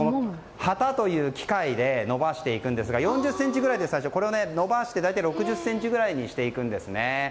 ハタという機械で伸ばしていくんですが最初は４０ｃｍぐらいで伸ばして６０ｃｍぐらいにしていくんです。